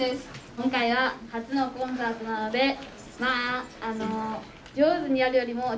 今回は初のコンサートなのでまああの上手にやるよりも全力で楽しもうと思います！